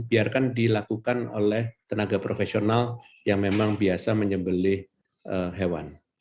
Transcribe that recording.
biarkan dilakukan oleh tenaga profesional yang memang biasa menyembelih hewan